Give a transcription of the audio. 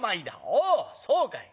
おおそうかい。